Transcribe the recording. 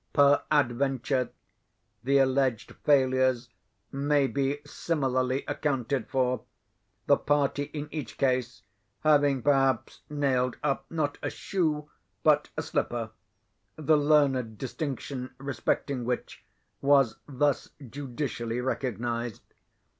Peradventure, the alleged failures may be similarly accounted for; the party, in each case, having perhaps nailed up, not a shoe, but a slipper, the learned distinction respecting which was thus judicially recognised.